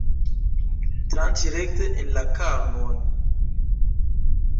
Tranĉi rekte en la karnon.